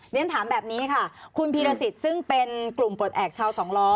เรียนถามแบบนี้ค่ะคุณพีรสิทธิ์ซึ่งเป็นกลุ่มปลดแอบชาวสองล้อ